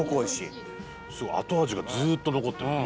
富澤：後味が、ずっと残ってる。